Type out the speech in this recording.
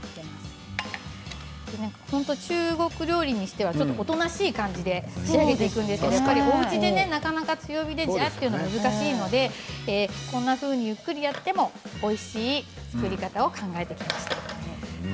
中国料理にしてはおとなしい感じで仕上げていくんですけれどおうちではなかなか強火でジャッというのは難しいのでこんなふうにゆっくりとやってもおいしい作り方を考えてきました。